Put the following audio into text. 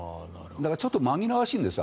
ちょっと紛らわしいんですよ